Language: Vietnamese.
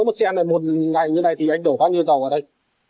mỗi một xe một ngày như này thì anh đổ bao nhiêu dầu ở đây